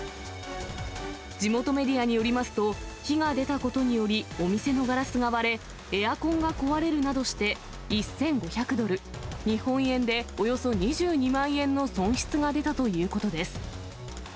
地元メディアによりますと、火が出たことによりお店のガラスが割れ、エアコンが壊れるなどして、１５００ドル、日本円でおよそ２２万円の損失が出たということです。